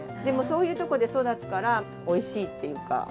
でもそういうとこで育つからおいしいっていうか。